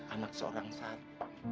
anak seorang sari